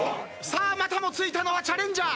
さあまたもついたのはチャレンジャー。